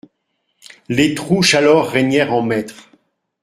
Les Trouche alors régnèrent en maîtres.